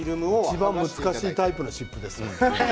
いちばん難しいタイプの湿布ですね